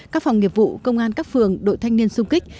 các phòng nghiệp vụ công an các phường đội thanh niên xung kích